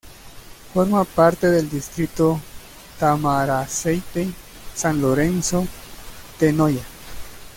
Forma parte del distrito Tamaraceite-San Lorenzo-Tenoya.